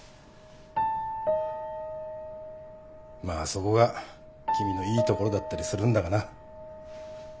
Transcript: まあそこが君のいいところだったりするんだがな。